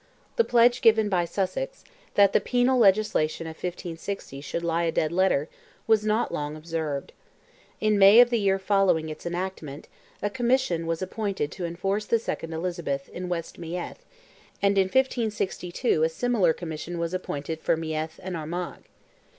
The pledge given by Sussex, that the penal legislation of 1560 should lie a dead letter, was not long observed. In May of the year following its enactment, a commission was appointed to enforce the 2nd Elizabeth, in West Meath; and in 1562 a similar commission was appointed for Meath and Armagh.